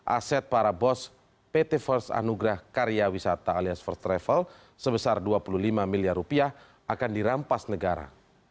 aset para bos pt first anugrah karya wisata alias first travel sebesar dua puluh lima miliar rupiah akan dirampas negara